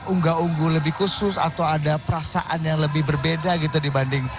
unggah unggu lebih khusus atau ada perasaan yang lebih berbeda gitu dibanding